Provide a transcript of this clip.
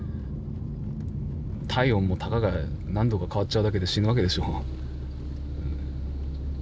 体温もたかが何度か変わっちゃうだけで死ぬわけでしょ。